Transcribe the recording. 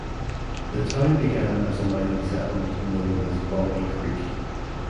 The town began as a mining settlement known as Boggy Creek.